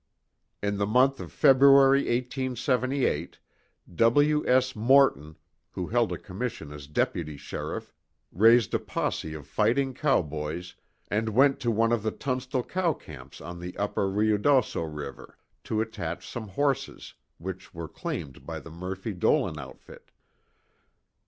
In the month of February, 1878, W. S. Morton, who held a commission as deputy sheriff, raised a posse of fighting cowboys and went to one of the Tunstall cow camps on the upper Ruidoso river, to attach some horses, which were claimed by the Murphy Dolan outfit.